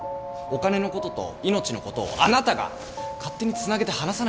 お金のことと命のことをあなたが勝手につなげて話さないでくださいよ。